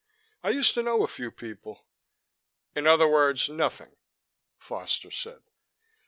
I used to know a few people " "In other words, nothing," Foster said.